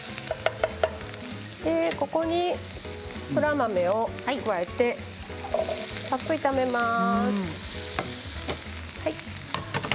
ここに、そら豆を加えてさっと炒めます。